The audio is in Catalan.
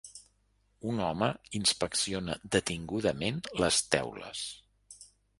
un home inspecciona detingudament les teules